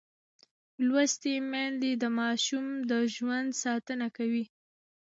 لوستې میندې د ماشوم د ژوند ساتنه کوي.